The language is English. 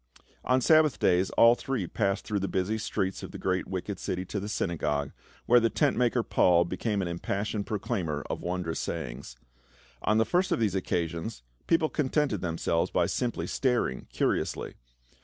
On Sabbath days all three passed through the busy streets of the great wicked city to the synagogue, where the tent maker, Paul, became the impassioned proclaimer of wondrous sayings. On the first of these occasions people contented themselves by simply staring curiously.